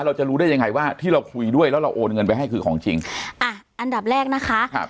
เราจะรู้ได้ยังไงว่าที่เราคุยด้วยรอเงินไปให้คือของจริงอันดับแรกนะคะ